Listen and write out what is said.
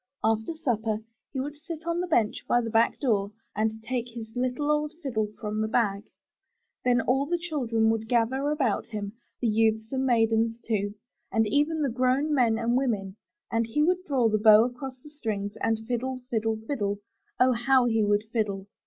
After supper he would sit on the bench by the back door and take his little old fiddle from the bag. Then all the children would gather about him, the youths and maidens, too, and even the grown men and women; and he would draw his bow across the strings and fiddle, fiddle, fiddle! Oh, how he would fiddle!